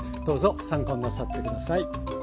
どうぞ参考になさって下さい。